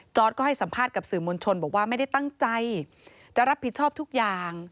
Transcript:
ก็ให้สัมภาษณ์กับสื่อมวลชนบอกว่าไม่ได้ตั้งใจจะรับผิดชอบทุกอย่าง